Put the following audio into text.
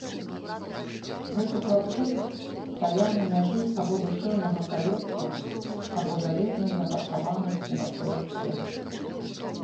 Гэты хлапчук стаяў на мяжы або душэўнага калецтва, або жалезнай загартаванасці на ўсё жыццё.